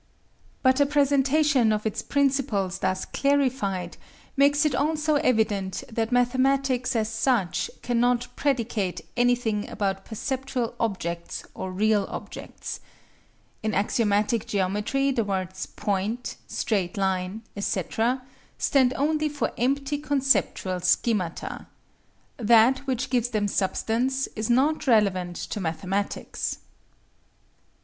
But a presentation of its principles thus clarified makes it also evident that mathematics as such cannot predicate anything about perceptual objects or real objects. In axiomatic geometry the words "point," "straight line," etc., stand only for empty conceptual schemata. That which gives them substance is not relevant to mathematics.